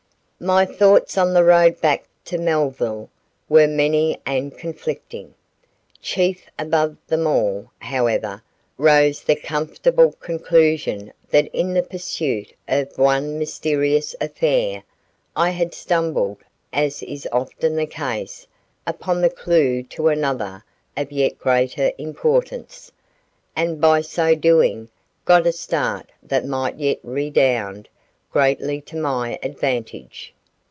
My thoughts on the road back to Melville were many and conflicting. Chief above them all, however, rose the comfortable conclusion that in the pursuit of one mysterious affair, I had stumbled, as is often the case, upon the clue to another of yet greater importance, and by so doing got a start that might yet redound greatly to my advantage.